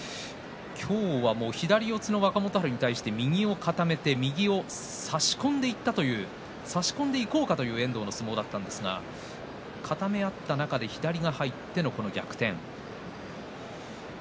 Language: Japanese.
今日は左四つの若元春に対して右を固めて右を差し込んでいこうという遠藤の相撲だったんですが固め合った中での左が入ってのこの逆転